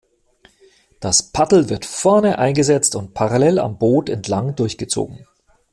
Das Paddel wird vorne eingesetzt und parallel am Boot entlang durchgezogen.